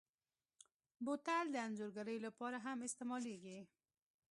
بوتل د انځورګرۍ لپاره هم استعمالېږي.